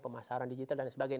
pemasaran digital dan sebagainya